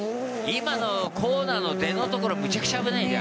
今のコーナーの出のところむちゃくちゃ危ないね。